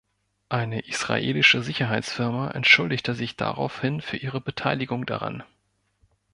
Eine israelische Sicherheitsfirma entschuldigte sich daraufhin für ihre Beteiligung daran.